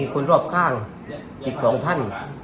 คนรอบข้างอีก๒ท่าน